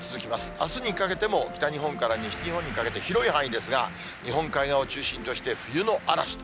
あすにかけても北日本から西日本にかけて、広い範囲ですが、日本海側を中心として冬の嵐と。